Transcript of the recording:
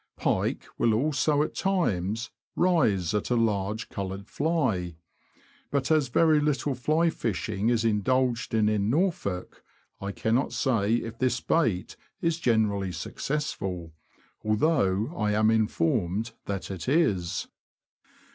Pike will also, at times, rise at a large, coloured fly; but as very little fly fishing is indulged in in Norfolk, I cannot say if THE FISH OF THE BROADS. 295 this bait is generally successful, although I am in formed that it is.